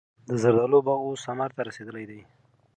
د زردالو باغ اوس ثمر ته رسېدلی دی.